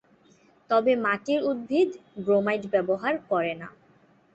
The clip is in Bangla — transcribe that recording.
তবে মাটির উদ্ভিদ ব্রোমাইড ব্যবহার করে না।